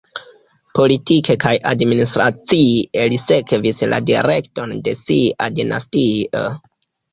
Politike kaj administracie li sekvis la direkton de sia dinastio.